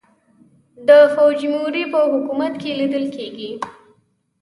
د فوجیموري په حکومت کې لیدل کېږي.